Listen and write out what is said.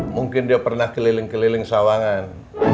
mungkin dia pernah keliling keliling sawangan